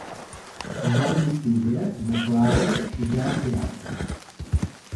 El nou d'octubre na Clara irà al teatre.